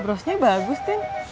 browsnya bagus tin